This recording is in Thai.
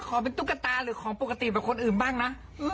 เป็นตุ๊กตาหรือของปกติแบบคนอื่นบ้างนะ